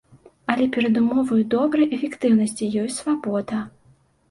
Але перадумоваю добрай эфектыўнасці ёсць свабода.